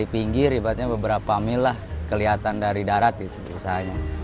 pinggir ibaratnya beberapa mil lah kelihatan dari darat gitu usahanya